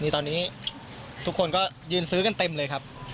ตอนนี้ทุกคนก็ยืนซื้อกันเต็มเลยครับ